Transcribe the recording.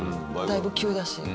だいぶ急だし。